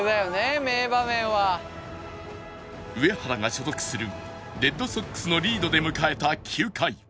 上原が所属するレッドソックスのリードで迎えた９回